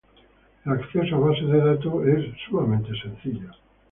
El acceso a bases de datos es sumamente sencillo.